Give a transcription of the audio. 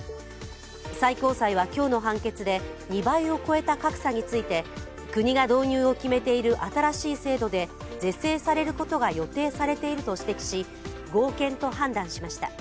最高裁は今日の判決で、２倍を超えた格差について国が導入を決めている新しい制度で是正されることが予定されていると指摘し、合憲と判断しました。